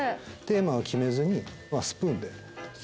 テーマは決めずにスプーンで。